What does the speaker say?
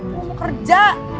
lo mau kerja